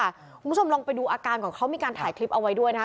คุณผู้ชมลองไปดูอาการก่อนเขามีการถ่ายคลิปเอาไว้ด้วยนะคะ